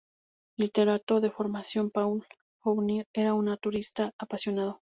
Literato de formación, Paul Fournier era un naturalista apasionado.